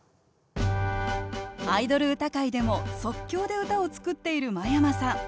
アイドル歌会でも即興で歌を作っている真山さん。